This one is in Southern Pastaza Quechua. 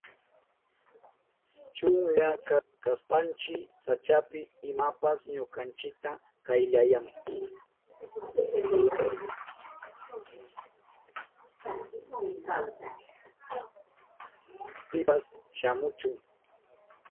Pipas shamuchu.